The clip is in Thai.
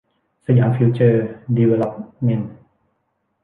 สยามฟิวเจอร์ดีเวลอปเมนท์